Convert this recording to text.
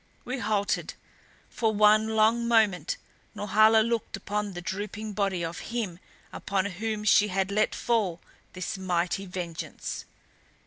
We halted. For one long moment Norhala looked upon the drooping body of him upon whom she had let fall this mighty vengeance.